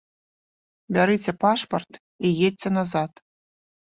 Бярыце пашпарт і едзьце назад.